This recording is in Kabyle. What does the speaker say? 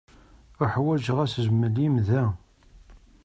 Uḥwaǧeɣ asezmel-im da.